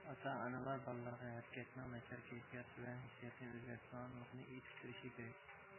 ئاتا- ئانىلار بالىلارغا ھەرىكەتنىڭ ناچار كەيپىيات ۋە ھېسسىياتنى ئۆزگەرتىدىغانلىقىنى ئېيتىپ بېرىشى كېرەك.